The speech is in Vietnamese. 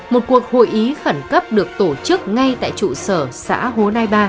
một cuộc hội ý khẩn cấp được tổ chức ngay tại trụ sở xã hồ nai ba